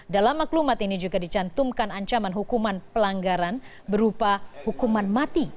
dalam maklumat ini juga dicantumkan ancaman hukuman pelanggaran berupa hukuman mati